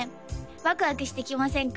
ワクワクしてきませんか？